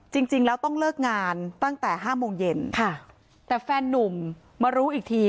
จริงแล้วต้องเลิกงานตั้งแต่ห้าโมงเย็นค่ะแต่แฟนนุ่มมารู้อีกที